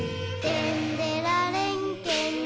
「でんでられんけん」